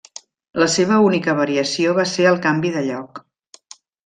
La seva única variació va ser el canvi de lloc.